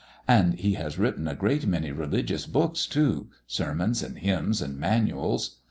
And he has written a great many religious books too sermons and hymns and manuals.